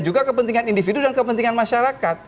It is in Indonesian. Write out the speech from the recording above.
juga kepentingan individu dan kepentingan masyarakat